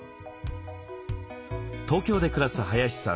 東京で暮らす林さん。